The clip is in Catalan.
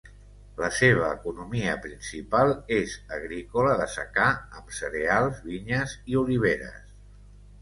La seva economia principal és agrícola de secà amb cereals, vinyes i oliveres.